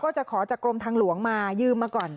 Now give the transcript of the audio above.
จะขอจากกรมทางหลวงมายืมมาก่อน